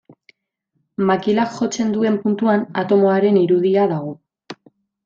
Makilak jotzen duen puntuan atomoaren irudia dago.